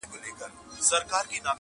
او فضا غمجنه ښکاري ډېر